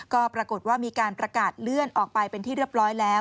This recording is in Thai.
ก็ปรากฏว่ามีการประกาศเลื่อนออกไปเป็นที่เรียบร้อยแล้ว